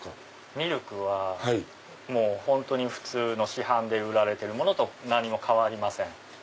ミルクは本当に普通の市販で売られてるものと変わりません。